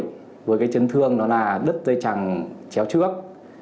khớp gối với chấn thương là đất dây chẳng chéo trước